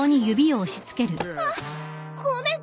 あっごめん。